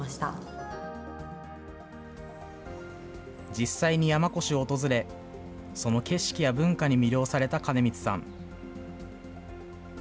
実際に山古志を訪れ、その景色や文化に魅了された金光さん。